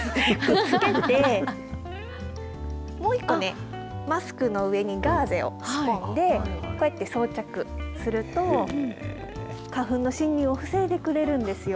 つけて、マスクの上にガーゼを仕込んで、こうやって装着すると、花粉の侵入を防いでくれるんですよ。